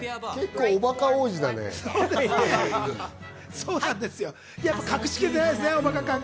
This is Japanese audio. おバカ王子だね。